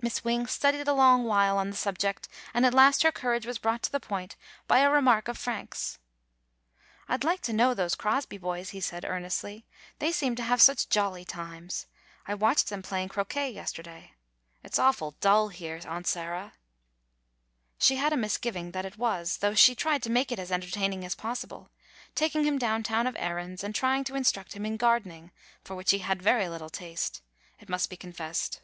Miss Wing studied a long while on the sub ject, and at last her courage was brought to the point by a remark of Frank's. 'T 'd like to know those Crosby boys," he said earnestly. "They seem to have such jolly times. I watched them playing croquet yesterday. It 's awful dull here. Aunt Sarah." She had a misgiving that it was, though she tried to make it as entertaining as possible, taking him down town of errands, and trying to instruct him in gardening, for which he had very little taste, it must be confessed.